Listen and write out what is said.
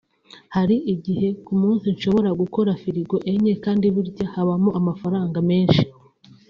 Hari igihe ku munsi nshobora gukora firigo enye kandi burya habamo amafaranga menshi